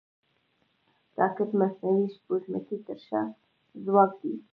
راکټ د مصنوعي سپوږمکۍ تر شا ځواک دی